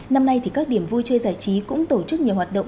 năm nay thì các điểm vui chơi giải trí cũng tổ chức nhiều hoạt động